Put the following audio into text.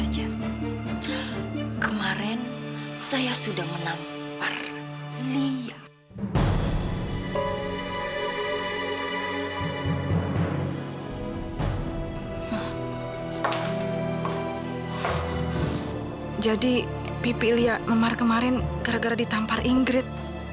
jadi pp lia memar kemarin gara gara ditampar inggris